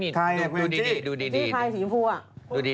สีใครสีชมพูอ่ะ